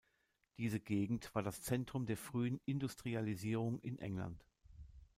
Diese Gegend war das Zentrum der frühen Industrialisierung in England.